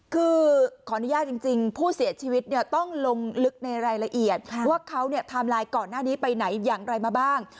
คือขออนุญาตจริงผู้เสียชีวิตเนี่ยต้องลงลึกในรายละเอียดว่าเขาเนี่ยไทม์ไลน์ก่อนหน้านี้ไปไหนอย่างไรมาบ้าง